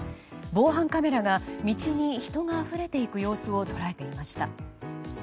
防犯カメラが道に人があふれていく様子を捉えていました。